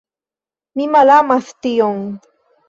Mi malamas tion.